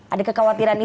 ada kekhawatiran itu